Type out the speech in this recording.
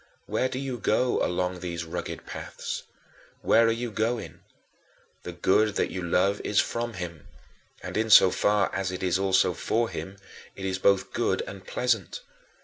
Where do you go along these rugged paths? Where are you going? The good that you love is from him, and insofar as it is also for him, it is both good and pleasant.